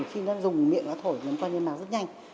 khi nó dùng miệng nó thổi ngấm qua những màu rất nhanh